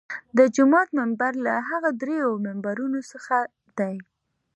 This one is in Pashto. د جومات منبر له هغو درېیو منبرونو څخه دی.